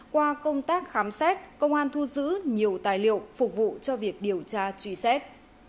qua công tác khám xét công an thu giữ nhiều tài liệu phục vụ cho việc điều tra truy xét